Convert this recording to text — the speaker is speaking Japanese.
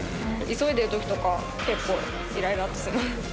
急いでるときとか、結構いらいらっとする。